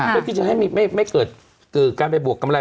ค่ะก็ที่จะให้มีไม่ไม่เกิดกือการไปบวกกำไร